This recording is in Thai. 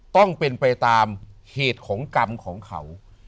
ต้องเป็นไปตามเหตุของกรรมของเขา